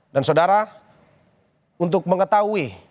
dan saudara untuk mengetahuinya